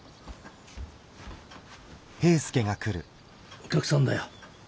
お客さんだよ。